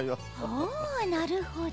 おおなるほど。